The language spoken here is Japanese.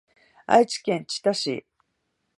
愛知県知多市